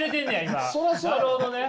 なるほどね。